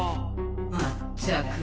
まったく！